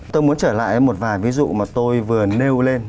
tôi muốn trở lại một vài ví dụ mà tôi vừa nêu lên